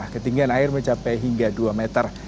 ketinggian air mencapai hingga dua meter